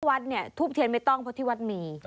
บททุบเถียนไม่ต้องเพราะวัดมี